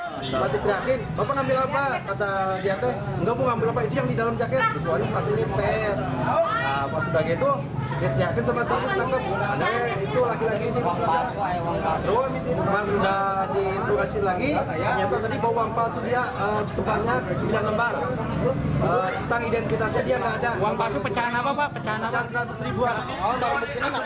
masa sudah diintroasi lagi nyata tadi bawa wang palsu dia setelahnya